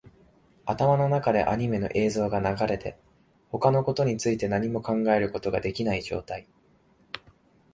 頭の中でアニメの映像が流れて、他のことについて何も考えることができない状態